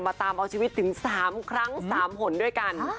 ตามเอาชีวิตถึง๓ครั้ง๓หนด้วยกัน